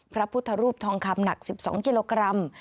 พระพุทธรูปทองคำหนัก๑๒กิโลกรัม